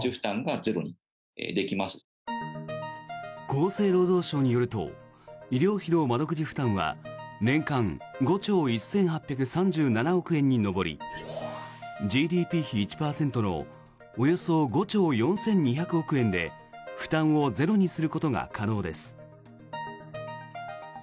厚生労働省によると医療費の窓口負担は年間５兆１８３７億円に上りＧＤＰ比１％のおよそ５兆４２００億円で負担をゼロにすることが可能です。